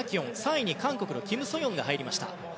３位に韓国のキム・ソヨンが入りました。